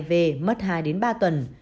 về mất hai ba tuần